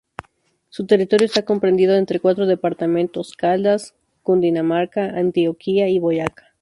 Su territorio está comprendido entre cuatro departamentos: Caldas, Cundinamarca, Antioquia y Boyacá.